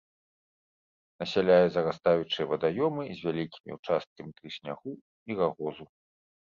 Насяляе зарастаючыя вадаёмы з вялікімі ўчасткамі трыснягу і рагозу.